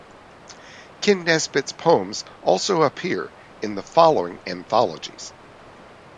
Kenn Nesbitt's poems also appear in the following anthologies.